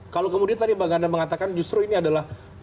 kalau kemudian tadi bang ganda mengatakan justru ini adalah